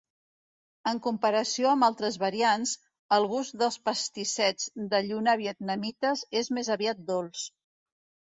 En comparació amb altres variants, el gust dels pastissets de lluna vietnamites és més aviat dolç.